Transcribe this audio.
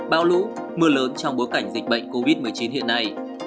bão lũ mưa lớn trong bối cảnh dịch bệnh covid một mươi chín hiện nay